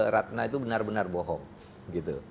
ratna itu benar benar bohong gitu